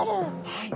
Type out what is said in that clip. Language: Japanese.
はい。